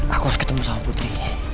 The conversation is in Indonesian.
aku harus ketemu sama putri